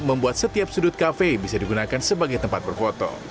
membuat setiap sudut kafe bisa digunakan sebagai tempat berfoto